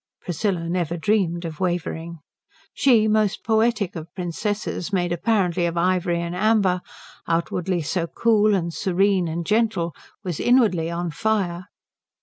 Priscilla never dreamed of wavering. She, most poetic of princesses, made apparently of ivory and amber, outwardly so cool and serene and gentle, was inwardly on fire.